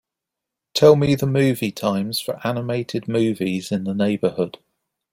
Tell me the movie times for animated movies in the neighborhood.